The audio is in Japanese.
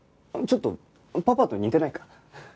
ちょっとパパと似てないか？